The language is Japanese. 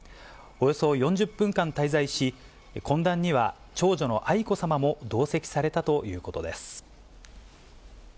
およそ４０分間滞在し、懇談には長女の愛子さまも同席されたということです。